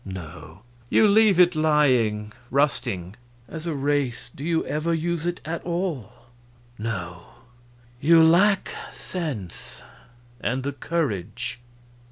No; you leave it lying rusting. As a race, do you ever use it at all? No; you lack sense and the courage."